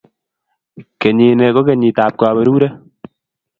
Kenyini ko kenyitab kaberure